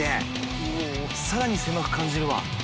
さらに狭く感じるわ。